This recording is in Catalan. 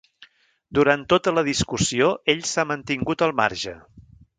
Durant tota la discussió, ell s'ha mantingut al marge.